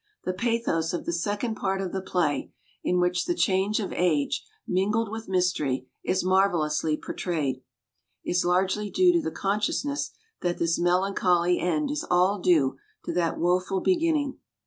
The pathos of the second part of the play, in which the change of age mingled with mystery is marvellously portrayed, is largely due to the consciousness that this melancholy end is all due to that woful beginning.